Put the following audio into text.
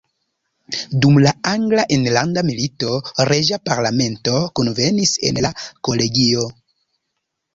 Dum la Angla enlanda milito reĝa parlamento kunvenis en la kolegio.